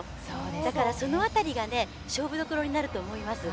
だから、その辺りが勝負どころになると思います。